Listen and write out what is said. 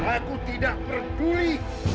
aku tidak peduli